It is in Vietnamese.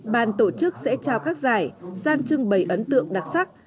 ban tổ chức sẽ trao các giải gian trưng bày ấn tượng đặc sắc